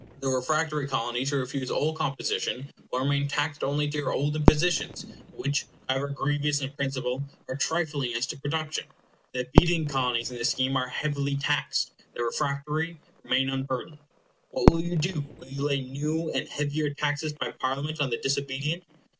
The refractory Colonies who refuse all composition will remain taxed only to your old impositions, which, however grievous in principle, are trifling as to production. The obedient Colonies in this scheme are heavily taxed, the refractory remain unburdened. What will you do? Will you lay new and heavier taxes by Parliament on the disobedient?